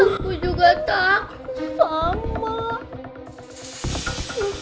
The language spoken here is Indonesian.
aku juga tak